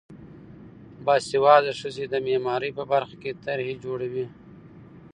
باسواده ښځې د معماری په برخه کې طرحې جوړوي.